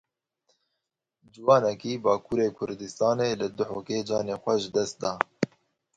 Ciwanekî Bakurê Kurdistanê li Duhokê canê xwe ji dest da.